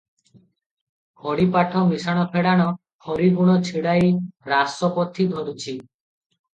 ଖଡ଼ିପାଠ ମିଶାଣ ଫେଡାଣ ହରିଗୁଣ ଛିଡାଇ ରାସ ପୋଥି ଧରିଛି ।